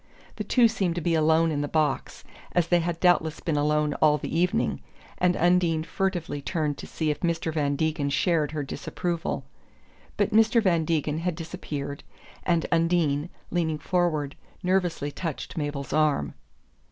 The two seemed to be alone in the box as they had doubtless been alone all the evening! and Undine furtively turned to see if Mr. Van Degen shared her disapproval. But Mr. Van Degen had disappeared, and Undine, leaning forward, nervously touched Mabel's arm.